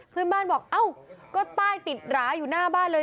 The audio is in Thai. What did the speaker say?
เพื่อนบ้านบอกเอ้าก็ป้ายติดหราอยู่หน้าบ้านเลย